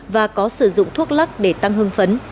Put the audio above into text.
và có sử dụng thuốc lắc để tăng hương phấn